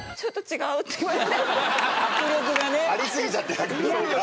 あり過ぎちゃって迫力が。